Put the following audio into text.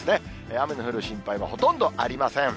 雨の降る心配はほとんどありません。